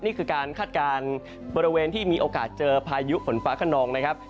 นี่คือการคาดการณ์บริเวณที่มีโอกาสเจอพายุฝนฟ้าขนองนะครับ